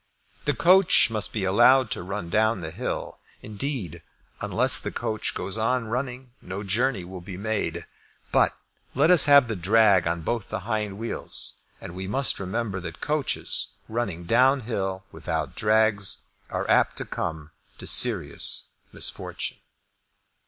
The coach must be allowed to run down the hill. Indeed, unless the coach goes on running no journey will be made. But let us have the drag on both the hind wheels. And we must remember that coaches running down hill without drags are apt to come to serious misfortune.